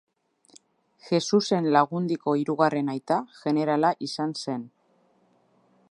Jesusen Lagundiko hirugarren aita jenerala izan zen.